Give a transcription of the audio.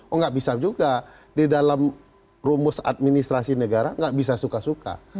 oh nggak bisa juga di dalam rumus administrasi negara nggak bisa suka suka